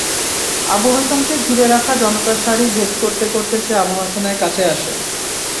আবু হাসানকে ঘিরে রাখা জনতার সারি ভেদ করতে করতে সে আবু হাসানের কাছে আসে।